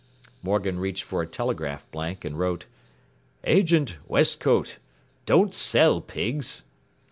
” Morgan reached for a telegraph blank and wrote: “Agent, Westcote. Don't sell pigs.